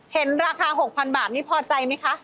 เห็นราคา๖๐๐๐บาทนี่พอใจไหมคะ